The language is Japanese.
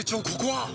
ここは？